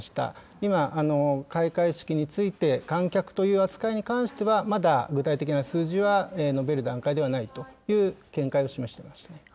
今、開会式について、観客という扱いに関しては、まだ具体的な数字は述べる段階ではないという見解を示していました。